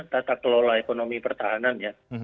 tata kelola ekonomi pertahanan